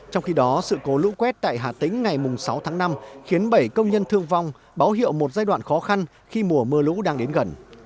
trong khi đó sự cố lũ quét tại hà tĩnh ngày sáu tháng năm khiến bảy công nhân thương vong báo hiệu một giai đoạn khó khăn khi mùa mưa lũ đang đến gần